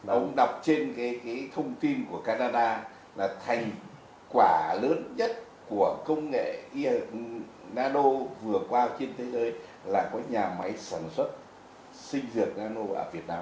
ông đọc trên cái thông tin của canada là thành quả lớn nhất của công nghệ iado vừa qua trên thế giới là có nhà máy sản xuất sinh dược nano ở việt nam